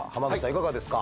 いかがですか？